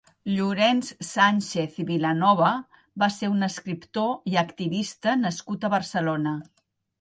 Llorenç Sànchez i Vilanova va ser un escriptor i activista nascut a Barcelona.